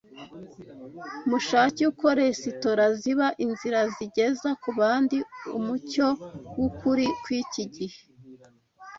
Mushake uko resitora ziba inzira zigeza ku bandi umucyo w’ukuri kw’iki gihe